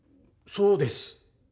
そうです！